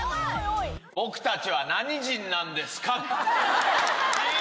僕たちはなに人なんですか。